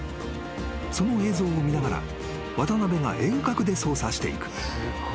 ［その映像を見ながら渡邊が遠隔で操作していく］